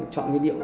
chọn cái điệu